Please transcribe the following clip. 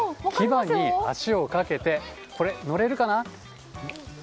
牙に足をかけて、乗れるかな？